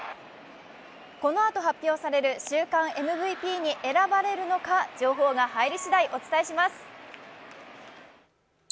このあと発表される週間ＭＶＰに選ばれるのか、情報が入りしだい、お伝えします。